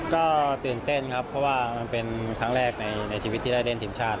ก็ตื่นเต้นครับเพราะว่ามันเป็นครั้งแรกในชีวิตที่ได้เล่นทีมชาติ